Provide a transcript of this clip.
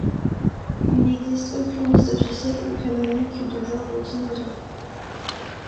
Il n'existe aucune liste officielle ou canonique de genres de dinosaures.